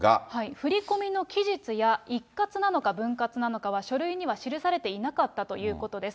振り込みの期日や一括なのか、分割なのかは書類には記されていなかったということです。